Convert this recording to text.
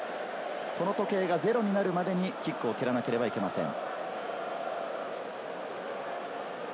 この時計がゼロになるまでにキックを蹴らなければいけません。